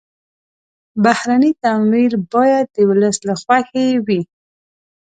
بهرني تمویل باید د ولس له خوښې وي.